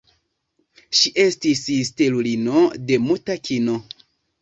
Ŝi estis stelulino de muta kino.